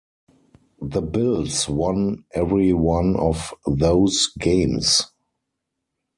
The Bills won every one of those games.